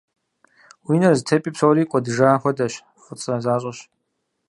Уи нэр зэтепӀи псори кӀуэдыжа хуэдэщ, фӀыцӀэ защӀэщ.